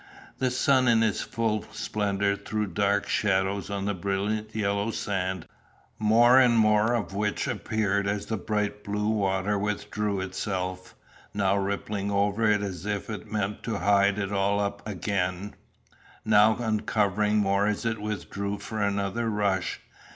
The sun in his full splendour threw dark shadows on the brilliant yellow sand, more and more of which appeared as the bright blue water withdrew itself, now rippling over it as if it meant to hide it all up again, now uncovering more as it withdrew for another rush.